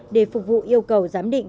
để phục vụ yêu cầu giám định